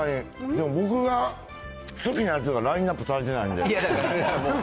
でも、僕が好きなやつがラインナップされてないんで。